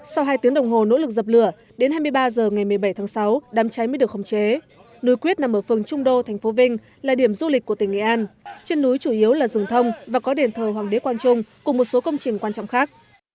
sau hai tiếng đồng hồ nỗ lực dập lửa đến hai mươi ba h ngày một mươi bảy tháng sáu đám cháy mới được khống chế núi quyết nằm ở phường trung đô thành phố vinh là điểm du lịch của tỉnh nghệ an trên núi chủ yếu là rừng thông và có đền thờ hoàng đế quang trung cùng một số công trình quan trọng khác